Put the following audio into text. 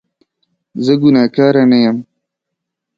زه ګناکاره نه یم